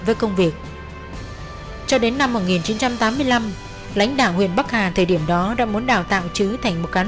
với công việc cho đến năm một nghìn chín trăm tám mươi năm lãnh đạo huyện bắc hà thời điểm đó đã muốn đào tạo chứ thành một cán